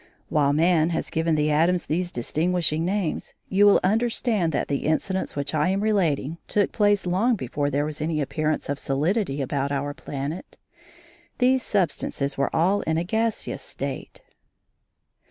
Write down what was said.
While man has given the atoms these distinguishing names, you will understand that the incidents which I am relating took place long before there was any appearance of solidity about our planet; these substances were all in a gaseous state.